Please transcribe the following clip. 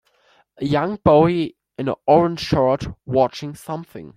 A young boy in a orange shirt watching something.